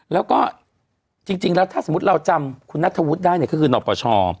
แล้วก็จริงแล้วถ้าสมมุติเราจำคุณนัทธวุฒิได้เนี่ยก็คือนปช